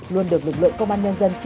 luôn được lực lượng công an nhân dân